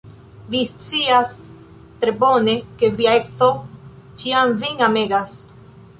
Vi scias tre bone, ke via edzo ĉiam vin amegas.